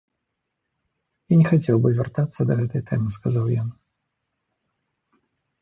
Я не хацеў бы вяртацца да гэтай тэмы, сказаў ён.